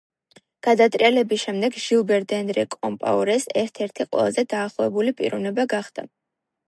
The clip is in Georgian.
გადატრიალების შემდეგ ჟილბერ დენდრე კომპაორეს ერთ-ერთი ყველაზე დაახლოებული პიროვნება გახდა.